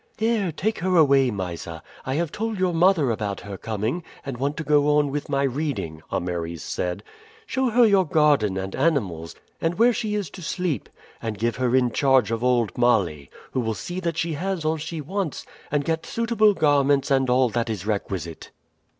"There, take her away, Mysa. I have told your mother about her coming, and want to go on with my reading," Ameres said. "Show her your garden and animals, and where she is to sleep; and give her in charge of old Male, who will see that she has all that she wants, and get suitable garments and all that is requisite."